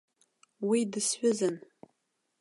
Уи дысҩызан.